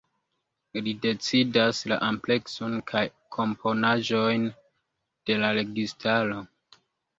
Li decidas la amplekson kaj komponaĵon de la registaro.